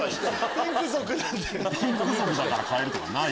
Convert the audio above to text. ピンク族だから変えるとかない。